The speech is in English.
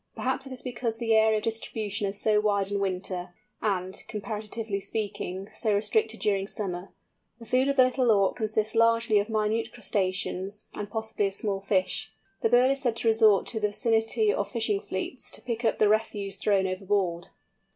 Perhaps it is because the area of distribution is so wide in winter, and, comparatively speaking, so restricted during summer. The food of the Little Auk consists largely of minute crustaceans, and possibly of small fish. The bird is said to resort to the vicinity of fishing fleets, to pick up the refuse thrown overboard.